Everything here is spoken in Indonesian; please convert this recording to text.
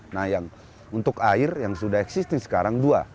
nah yang untuk air yang sudah existing sekarang dua